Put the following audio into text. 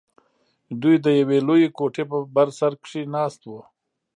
دوى د يوې لويې کوټې په بر سر کښې ناست وو.